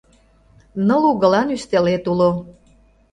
Ныл угылан ӱстелет уло